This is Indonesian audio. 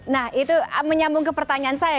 nah itu menyambung ke pertanyaan saya